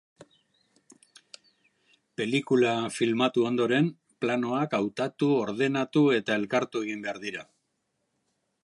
Pelikula filmatu ondoren planoak hautatu, ordenatu eta elkartu behar dira.